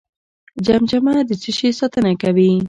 جمجمه د څه شي ساتنه کوي؟